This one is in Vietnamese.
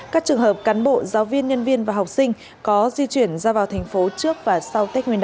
các trường hợp cán bộ giáo viên nhân viên và học sinh có di chuyển ra vào thành phố trước và sau tết nguyên đán